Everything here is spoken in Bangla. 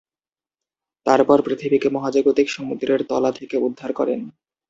তারপর পৃথিবীকে মহাজাগতিক সমুদ্রের তলা থেকে উদ্ধার করেন।